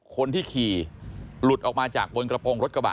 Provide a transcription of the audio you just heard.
คนที่ขี่หลุดออกมาจากบนกระโปรงรถกระบะ